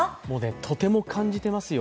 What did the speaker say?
とても感じてますよ。